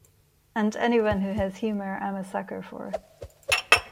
And anyone who has humor I'm a sucker for.